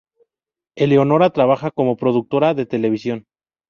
Eleonora trabaja como productora de televisión.